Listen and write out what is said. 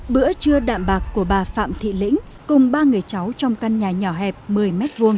bữa trưa đạm bạc của bà phạm thị lĩnh cùng ba người cháu trong căn nhà nhỏ hẹp một mươi m hai